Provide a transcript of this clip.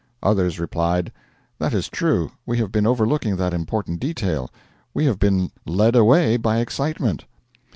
Others replied: 'That is true: we have been overlooking that important detail; we have been led away by excitement.'